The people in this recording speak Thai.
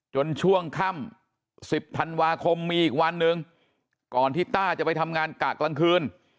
ช่วงค่ำ๑๐ธันวาคมมีอีกวันหนึ่งก่อนที่ต้าจะไปทำงานกะกลางคืน